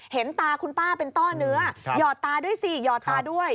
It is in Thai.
เห็นตาคุณป้าเป็นต้อเนื้อหยอดตาด้วยสิหอดตาด้วย